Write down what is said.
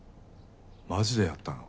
マジでやったの？